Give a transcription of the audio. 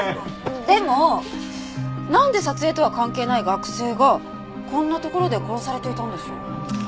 でもなんで撮影とは関係ない学生がこんな所で殺されていたんでしょう？